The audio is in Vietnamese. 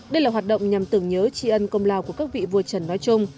đây là hoạt động nhằm tưởng nhớ trị ân công lao của các vị vua trần nói chung